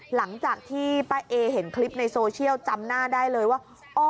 หลังจากที่ป้าเอเห็นคลิปในโซเชียลจำหน้าได้เลยว่า